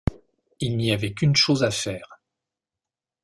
Il n'y avait qu’une chose à faire.